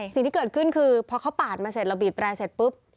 สิ่งที่เกิดขึ้นคือพอเขาปาดมาเสร็จเราบีบแร่เสร็จปุ๊บ